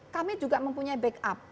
kami juga mempunyai backup